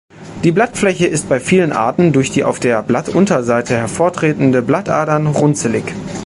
Die Blattfläche ist bei vielen Arten durch die auf der Blattunterseite hervortretenden Blattadern runzelig.